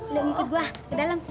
nunggu gue ke dalem